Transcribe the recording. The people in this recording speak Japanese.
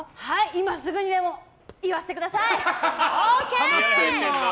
今すぐにでも言わせてください！